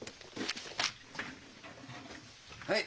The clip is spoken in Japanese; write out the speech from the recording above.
はい。